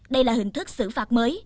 đây là hình thức xử phạt mới